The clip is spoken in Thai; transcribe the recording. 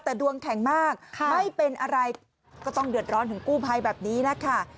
แต่ดวงแข็งมากไม่เป็นอะไรก็ต้องเดือดร้อนถึงกู้ภัยแบบนี้นะคะ